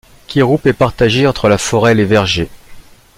Kirup est partagé entre la forêt et les vergers.